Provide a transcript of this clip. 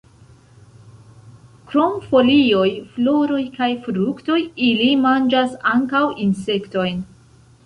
Krom folioj, floroj kaj fruktoj, ili manĝas ankaŭ insektojn.